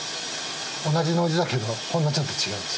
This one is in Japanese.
同じノイズだけどほんのちょっと違います。